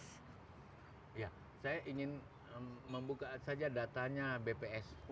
saya ingin membuka saja datanya bps